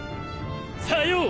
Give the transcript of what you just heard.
さよう！